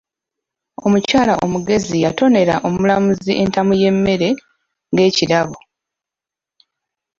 Omukyala omugezi yatonera omulamuzi entamu y'emmere ng'ekirabo.